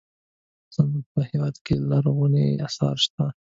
زموږ په هېواد کې لرغوني اثار شته.